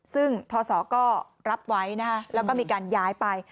ซึ่งทศก็รับไว้นะคะแล้วก็มีการย้ายไป